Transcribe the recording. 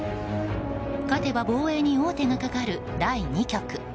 勝てば防衛に王手がかかる第２局。